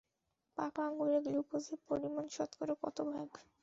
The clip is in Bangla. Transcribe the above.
পাকা আঙ্গুরে গ্লুকোজের পরিমাণ শতকরা কত ভাগ?